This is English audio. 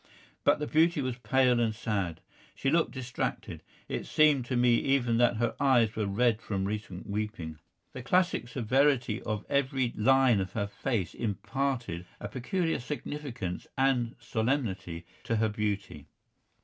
But the beauty was pale and sad. She looked distracted. It seemed to me even that her eyes were red from recent weeping. The classic severity of every line of her face imparted a peculiar significance and solemnity to her beauty.